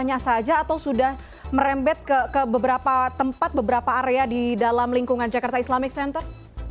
hanya saja atau sudah merembet ke beberapa tempat beberapa area di dalam lingkungan jakarta islamic center